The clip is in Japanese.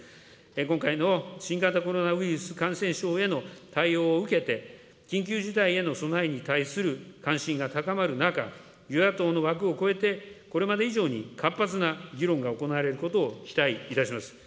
今回の新型コロナウイルス感染症への対応を受けて、緊急事態への備えに対する関心が高まる中、与野党の枠を乞えてこれまで以上に活発な議論が行われることを期待いたします。